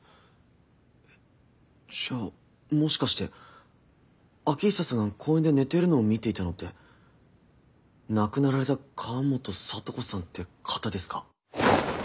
じゃあもしかして秋寿さんが公園で寝ているのを見ていたのって亡くなられた河本咲都子さんって方ですか？